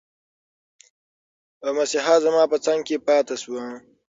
مسیحا زما په څنګ کې پاتي شو.